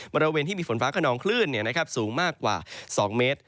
บริเวณที่มีฝนฟ้าขนองคลื่นสูงมากกว่า๒เมตร